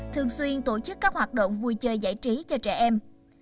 thường xuyên tổ chức các hoạt động vui chơi giải trí cho trẻ em